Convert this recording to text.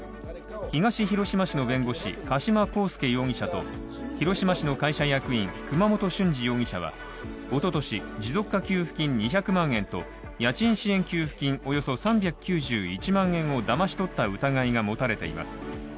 東広島市の弁護士・加島康介容疑者と、広島市の会社役員・熊本俊二容疑者は一昨年、持続化給付金２００万円と家賃支援給付金およそ３９１万円をだまし取った疑いが持たれています。